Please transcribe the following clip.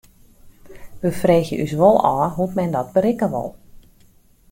We freegje ús wol ôf hoe't men dat berikke wol.